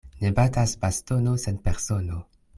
Ne batas bastono sen persono.